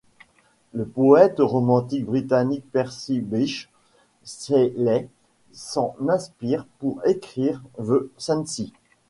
Le poète romantique britannique Percy Bysshe Shelley s'en inspire pour écrire The Cenci.